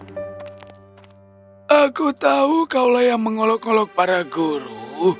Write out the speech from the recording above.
aku tahu kaulah yang mengolok ngolok para guru